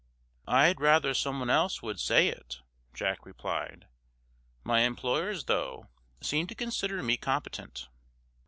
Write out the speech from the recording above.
"I'd rather someone else would say it," Jack replied. "My employers, though, seem to consider me competent."